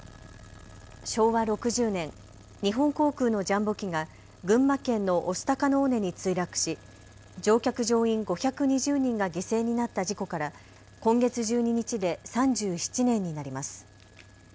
昭和６０年、日本航空のジャンボ機が群馬県の御巣鷹の尾根に墜落し乗客乗員５２０人が犠牲になった事故から今月１２日で３７年になります。